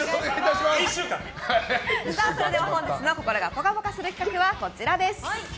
本日の心がぽかぽかする企画はこちらです。